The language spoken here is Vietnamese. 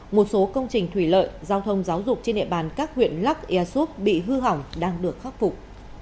một số công trình thủy lợi giao thông giáo dục trên địa bàn các huyện lắc ea súp bị hư hỏng đang được khắc phục